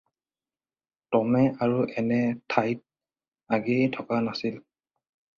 টমে আৰু এনে ঠাইত আগেয়ে থকা নাছিল।